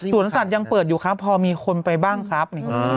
สวนสัตว์ยังเปิดอยู่ครับพอมีคนไปบ้างครับ